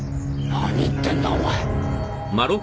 何言ってんだお前。